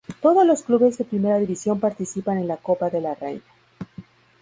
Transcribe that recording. Todos los clubes de primera división participan en la Copa de la Reina.